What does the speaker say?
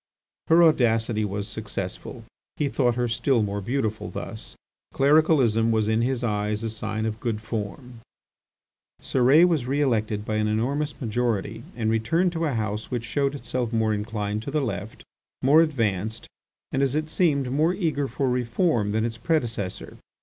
Her audacity was successful. He thought her still more beautiful thus. Clericalism was in his eyes a sign of good form. Cérès was re elected by an enormous majority and returned to a House which showed itself more inclined to the Left, more advanced, and, as it seemed, more eager for reform than its predecessor.